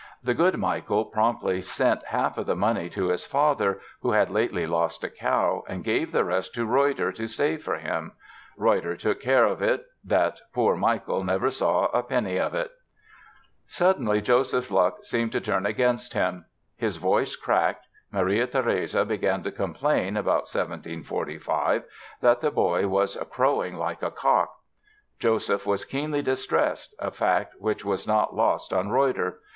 The good Michael promptly sent half of the money to his father, who had lately lost a cow, and gave the rest to Reutter to save for him. Reutter took such care of it that poor Michael never saw a penny of it! Suddenly Joseph's luck seemed to turn against him. His voice cracked. Maria Theresia began to complain, about 1745, that the boy was "crowing like a cock." Joseph was keenly distressed, a fact which was not lost on Reutter.